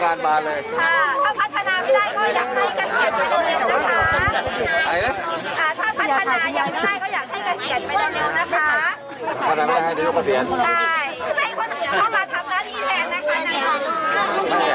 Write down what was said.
ใช่ให้พัฒนาเข้ามาทำร้านอีแพงนะคะ